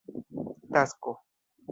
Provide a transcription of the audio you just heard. tasko